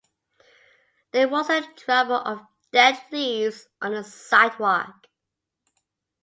There was a drabble of dead leaves on the sidewalk.